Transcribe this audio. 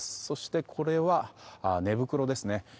そして、これは寝袋ですね。